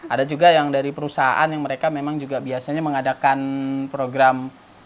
ada juga yang dari perusahaan yang mereka memang juga biasanya mengadakan program